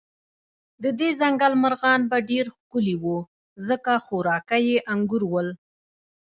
د دې ځنګل مرغان به ډېر ښکلي و، ځکه خوراکه یې انګور ول.